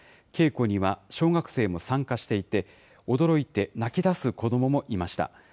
稽古には小学生も参加していて、驚いて泣きだす子どももいました。